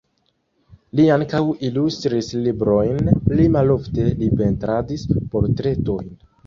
Li ankaŭ ilustris librojn, pli malofte li pentradis portretojn.